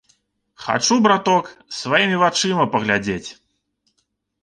Хачу, браток, сваімі вачыма паглядзець.